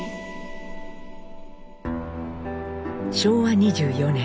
昭和２４年。